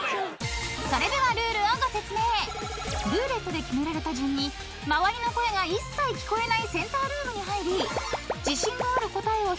［それではルールをご説明］［ルーレットで決められた順に周りの声が一切聞こえないセンタールームに入り自信がある答えを